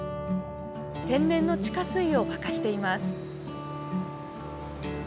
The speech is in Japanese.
天然の地下水を沸かしています。